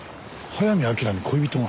早見明に恋人が？